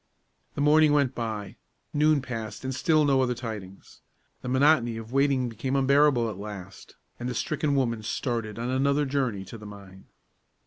The morning went by; noon passed, and still no other tidings. The monotony of waiting became unbearable at last, and the stricken woman started on another journey to the mine.